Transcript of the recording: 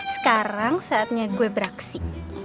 sekarang saatnya gue beraksi